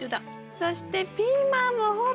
そしてピーマンもほら！